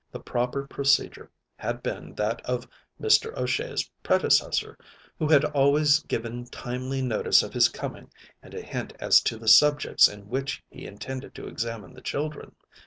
The proper procedure had been that of Mr. O'Shea's predecessor, who had always given timely notice of his coming and a hint as to the subjects in which he intended to examine the children.